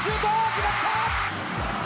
決まった！